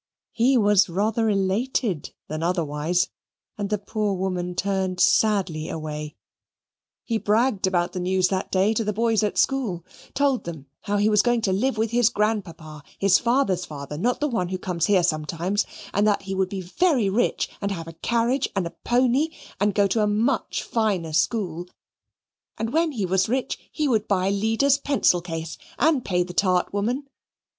He was rather elated than otherwise, and the poor woman turned sadly away. He bragged about the news that day to the boys at school; told them how he was going to live with his grandpapa, his father's father, not the one who comes here sometimes; and that he would be very rich, and have a carriage, and a pony, and go to a much finer school, and when he was rich he would buy Leader's pencil case and pay the tart woman.